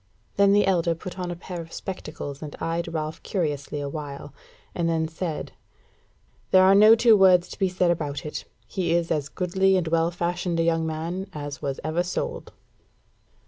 Then the elder put on a pair of spectacles and eyed Ralph curiously a while, and then said: "There are no two words to be said about it; he is a goodly and well fashioned a young man as was ever sold."